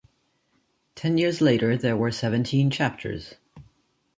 Ten years later, there were seventeen chapters.